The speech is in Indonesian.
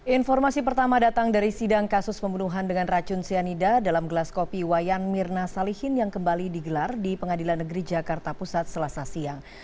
informasi pertama datang dari sidang kasus pembunuhan dengan racun cyanida dalam gelas kopi wayan mirna salihin yang kembali digelar di pengadilan negeri jakarta pusat selasa siang